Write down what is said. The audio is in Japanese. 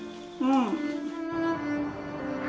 うん。